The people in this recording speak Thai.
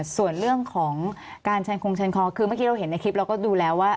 ส่วนเรื่องของการเชิญคงเชิญคอคือเมื่อกี้เราเห็นในคลิปเราก็ดูแล้วว่า